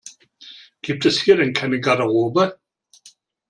Gibt es hier denn keine Garderobe?